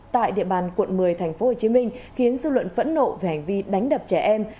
tại địa bàn quận một mươi tp hcm khiến dư luận phẫn nộ về hành vi đánh đập trẻ em